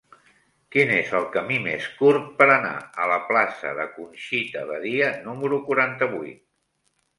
Quin és el camí més curt per anar a la plaça de Conxita Badia número quaranta-vuit?